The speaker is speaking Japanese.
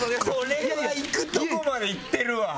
これは行くところまで行ってるわ。